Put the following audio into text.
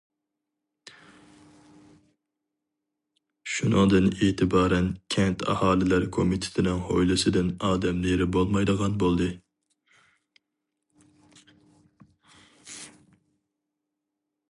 شۇنىڭدىن ئېتىبارەن كەنت ئاھالىلەر كومىتېتىنىڭ ھويلىسىدىن ئادەم نېرى بولمايدىغان بولدى.